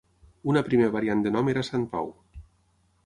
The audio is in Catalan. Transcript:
Una primer variant de nom era Sant Pau.